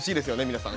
皆さん。